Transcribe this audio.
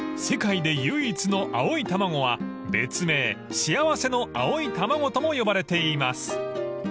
世界で唯一の青い卵は別名幸せの青い卵とも呼ばれています］